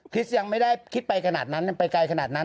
ยังไม่ได้คิดไปขนาดนั้นยังไปไกลขนาดนั้น